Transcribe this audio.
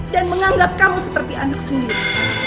dan menganggap kamu seperti anak sendiri